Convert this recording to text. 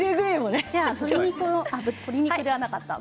鶏肉ではなかった。